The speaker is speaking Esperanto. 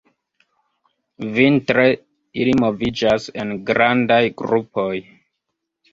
Vintre ili moviĝas en grandaj grupoj.